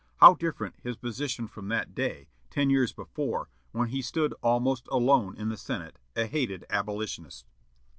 How different his position from that day, ten years before, when he stood almost alone in the Senate, a hated abolitionist!